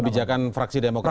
kebijakan praksi demokrat